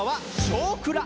「少クラ」